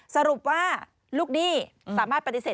สรุปว่าลูกหนี้สามารถปฏิเสธ